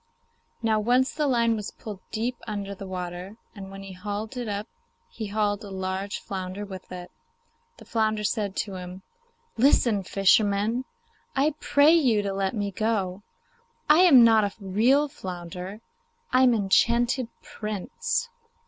Now, once the line was pulled deep under the water, and when he hauled it up he hauled a large flounder with it. The flounder said to him, 'Listen, fisherman. I pray you to let me go; I am not a real flounder, I am an enchanted Prince.